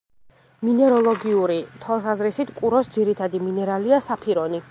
მინეროლოგიური თვალსაზრისით, კუროს ძირითადი მინერალია: საფირონი.